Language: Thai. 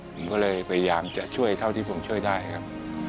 ผมก็เลยพยายามจะช่วยเท่าที่ผมช่วยได้ครับ